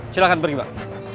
silahkan pergi mbak